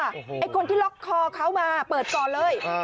ไอ้คนที่ล็อกคอเขามาเปิดก่อนเลย